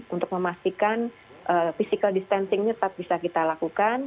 untuk memastikan physical distancingnya tetap bisa kita lakukan